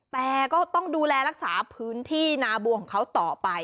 แต่ก็ต้องดูแลรักษาพื้นที่นาบัวของเขาต่อไป